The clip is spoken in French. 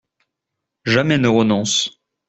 Jamais ne renonce